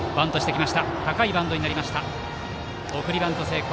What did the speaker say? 送りバント成功。